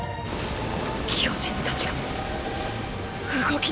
巨人たちが動きだした。